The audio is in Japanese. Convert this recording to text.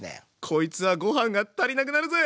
こいつはごはんが足りなくなるぜ！